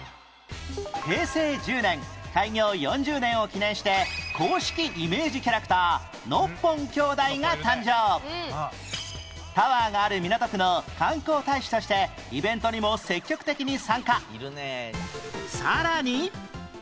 平成１０年開業４０年を記念して公式イメージキャラクターノッポン兄弟が誕生タワーがある港区の観光大使としてイベントにも積極的に参加